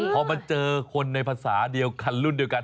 พอมาเจอคนในภาษาเดียวคันรุ่นเดียวกัน